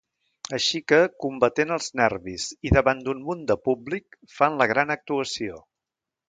Així que, combatent els nervis i davant d’un munt de públic, fan la gran actuació.